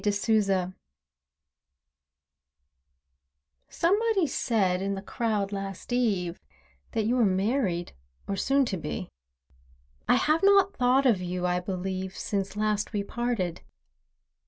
A LEAF Somebody said, in the crowd, last eve, That you were married, or soon to be. I have not thought of you, I believe, Since last we parted.